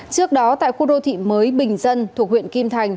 trước đó tại khu đô thị mới bình dân thuộc huyện kim thành